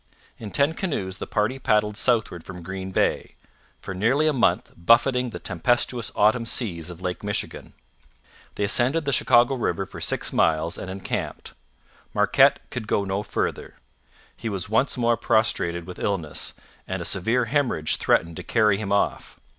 In ten canoes the party paddled southward from Green Bay, for nearly a month buffeting the tempestuous autumn seas of Lake Michigan. They ascended the Chicago river for six miles and encamped. Marquette could go no farther; he was once more prostrated with illness, and a severe hemorrhage threatened to carry him off.